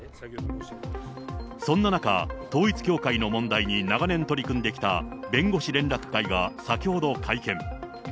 そんな中、統一教会の問題に長年取り組んできた弁護士連絡会が先ほど会見。